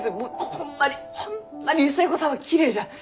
ホンマにホンマに寿恵子さんはきれいじゃ。